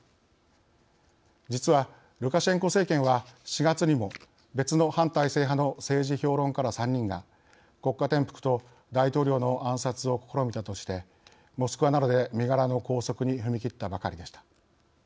実はルカシェンコ政権は４月にも別の反体制派の政治評論家ら３人が国家転覆と大統領の暗殺を試みたとしてモスクワなどで身柄の拘束に踏み切ったばかりでした。